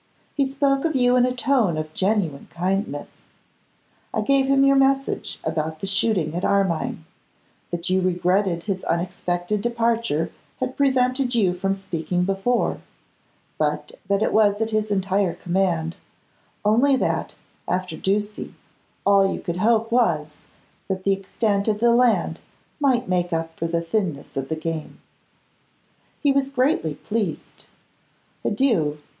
He spoke of you in a tone of genuine kindness. I gave him your message about the shooting at Armine; that you regretted his unexpected departure had prevented you from speaking before, but that it was at his entire command, only that, after Ducie, all you could hope was, that the extent of the land might make up for the thinness of the game. He was greatly pleased. Adieu!